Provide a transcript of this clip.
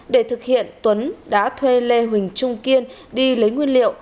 để thực hiện tuấn đã thuê lê huỳnh trung kiên đi lấy nguyên liệu